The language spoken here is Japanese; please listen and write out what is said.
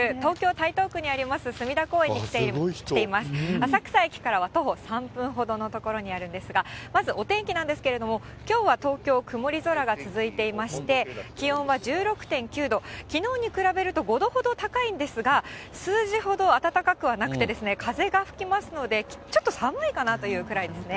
浅草駅からは徒歩３分ほどの所にあるんですが、まず、お天気なんですけれども、きょうは東京、曇り空が続いていまして、気温は１６．９度、きのうに比べると５度ほど高いんですが、数字ほど暖かくはなくて、風が吹きますので、ちょっと寒いかなというくらいですね。